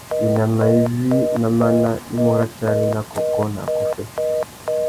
Winama iwí ná máná i mú ratiari nà kôkô nà akôffê.